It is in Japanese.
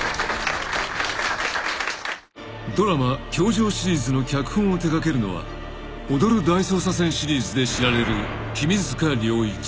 ［ドラマ『教場』シリーズの脚本を手掛けるのは『踊る大捜査線』シリーズで知られる］